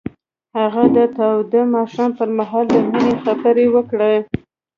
هغه د تاوده ماښام پر مهال د مینې خبرې وکړې.